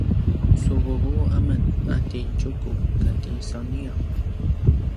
su vuvu amen a ti Tjuku kati sauniaw